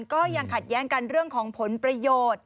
ก็ยังขัดแย้งกันเรื่องของผลประโยชน์